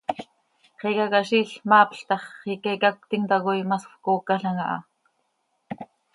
Xicaquiziil, maapl tax, xiica icacötim tacoi masfcoocalam aha.